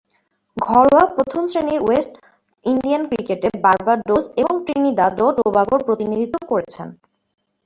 ঘরোয়া প্রথম-শ্রেণীর West Indian ক্রিকেটে বার্বাডোস এবং ত্রিনিদাদ ও টোবাগোর প্রতিনিধিত্ব করেছেন।